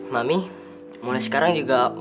mami mulai sekarang juga makell dahum cuanto